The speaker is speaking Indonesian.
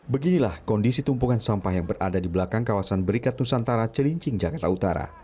beginilah kondisi tumpukan sampah yang berada di belakang kawasan berikat nusantara celincing jakarta utara